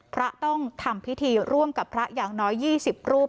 ต้องทำพิธีร่วมกับพระอย่างน้อย๒๐รูป